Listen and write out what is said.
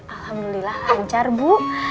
alhamdulillah lancar bu